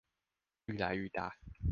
愈來愈大